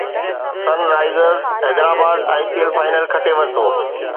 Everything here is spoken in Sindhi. سن Risers Hyderabad I P L final کٽي ورتو